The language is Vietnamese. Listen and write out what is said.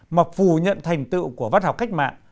mà phủ nhận thành tựu của văn học cách mạng